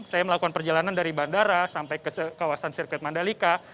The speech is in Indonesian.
saya melakukan perjalanan dari bandara sampai ke kawasan sirkuit mandalika